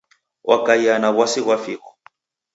Wakaia na w'asi ghwa figho.